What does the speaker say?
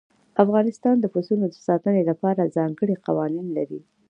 افغانستان د پسونو د ساتنې لپاره ځانګړي قوانين لري.